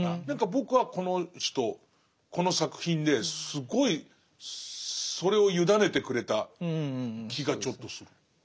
何か僕はこの人この作品ですごいそれをゆだねてくれた気がちょっとする。